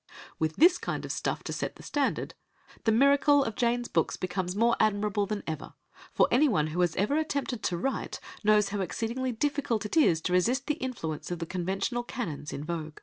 With this kind of stuff to set the standard, the miracle of Jane's books becomes more admirable than ever, for anyone who has ever attempted to write knows how exceedingly difficult it is to resist the influence of the conventional canons in vogue.